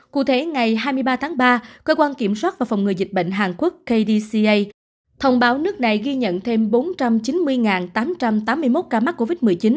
cụ thể ngày hai mươi ba tháng ba cơ quan kiểm soát và phòng ngừa dịch bệnh hàn quốc kdca thông báo nước này ghi nhận thêm bốn trăm chín mươi tám trăm tám mươi một ca mắc covid một mươi chín